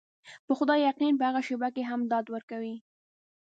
په خدای يقين په هغه شېبه کې هم ډاډ ورکوي.